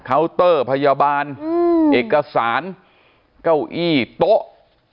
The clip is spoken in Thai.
เตอร์พยาบาลเอกสารเก้าอี้โต๊ะ